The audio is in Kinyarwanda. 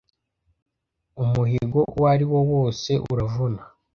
umuhigo uwo ari wo wose uravuna